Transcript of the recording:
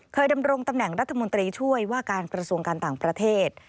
ดำรงตำแหน่งรัฐมนตรีช่วยว่าการกระทรวงการต่างประเทศ